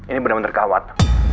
ini bener bener gawat